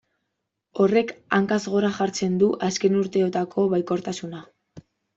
Horrek hankaz gora jartzen du azken urteotako baikortasuna.